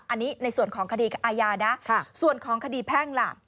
อันนี้ในส่วนของคดีอาญานะส่วนของคดีแพ่งล่ะ